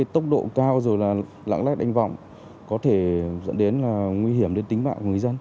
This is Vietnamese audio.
tốc độ cao rồi là lãng lách đánh võng có thể dẫn đến là nguy hiểm đến tính mạng của người dân